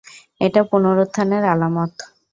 এটা পুনরুত্থানের আলামত!